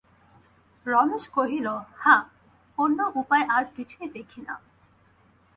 রমেশ কহিল, হাঁ, অন্য উপায় আর কিছুই দেখি না।